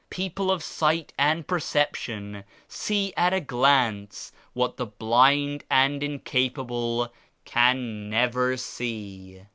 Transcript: People of sight and perception see at a glance what the blind and incapable can never see."